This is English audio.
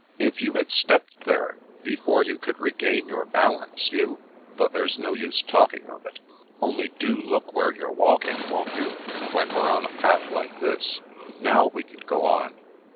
If you had stepped there, before you could regain your balance, you — ^but there's no use talking of it. Only do look where you're walk ing, won't you, when we're on a path like this? Now we can go on."